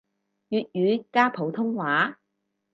粵語加普通話